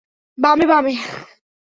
বামে, বামে।